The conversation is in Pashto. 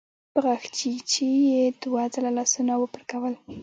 په غاښچيچي يې دوه ځله لاسونه وپړکول.